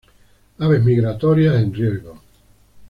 Aves migratorias en riesgo.